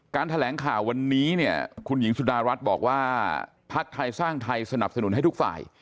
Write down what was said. แถลงข่าววันนี้เนี่ยคุณหญิงสุดารัฐบอกว่าภักดิ์ไทยสร้างไทยสนับสนุนให้ทุกฝ่าย